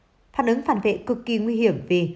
độ năm phản ứng phản vệ cực kỳ nguy hiểm vì